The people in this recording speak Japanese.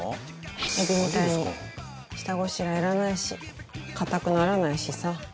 エビみたいに下ごしらえいらないし硬くならないしさ。